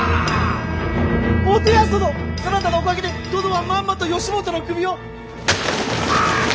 元康殿そなたのおかげで殿はまんまと義元の首を。